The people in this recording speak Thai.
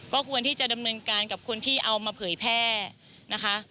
ก็ควรที่จะดำเนินการกับคนที่เอามาเผยแพร่นะคะ